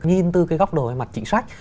nhìn từ cái góc đồ mặt trị sách